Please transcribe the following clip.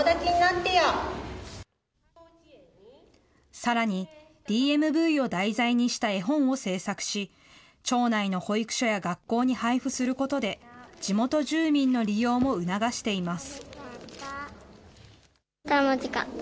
さらにＤＭＶを題材にした絵本を制作し、町内の保育所や学校に配布することで、地元住民の利用も促しています。